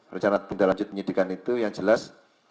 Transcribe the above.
rencana tindak lanjut penyidikan itu yang jelas